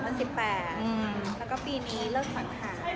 แล้วก็ปีนี้เลิกสังขาร